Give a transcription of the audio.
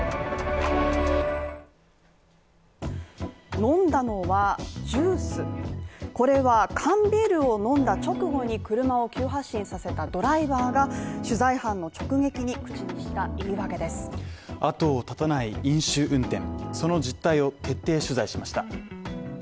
飲んだのはジュースこれは缶ビールを飲んだ直後に車を急発進させたドライバーが取材班の直撃に口にした言い訳です後を絶たない飲酒運転、その実態を徹底取材しました。